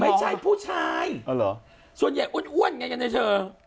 ไม่ใช่ผู้ชายส่วนใหญ่อ้วนไงกันนะเธอ